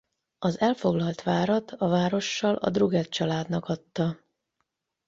Az elfoglalt várat a várossal a Drugeth családnak adta.